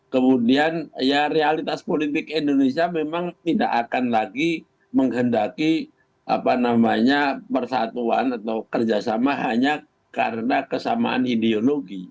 kemudian ya realitas politik indonesia memang tidak akan lagi menghendaki persatuan atau kerjasama hanya karena kesamaan ideologi